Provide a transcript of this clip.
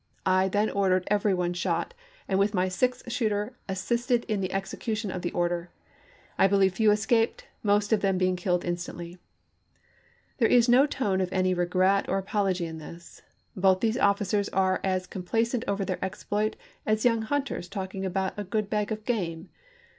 I then ordered every one shot, «Treat and with my six shooter assisted in the execution pSsTnerl" of the order. I believe few escaped, most of them 'cSS^m, p. 645. being killed instantly." There is no tone of any regret or apology in this — both these officers are as complacent over their exploit as young hunt ers talking about a good bag of game.